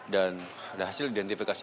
dan hasil identifikasi